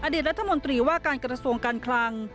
รัฐมนตรีว่าการกระทรวงการคลัง